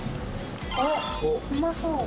あっうまそう！